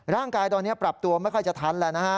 ร่างกายตอนนี้ปรับตัวไม่ค่อยจะทันแล้วนะฮะ